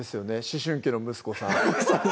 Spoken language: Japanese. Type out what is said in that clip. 思春期の息子さん